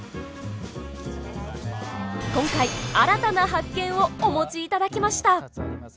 今回新たな発見をお持ち頂きました！